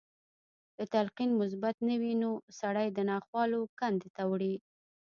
که تلقين مثبت نه وي نو سړی د ناخوالو کندې ته وړي.